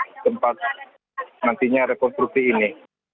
jadi tempat nantinya rekonstruksi ini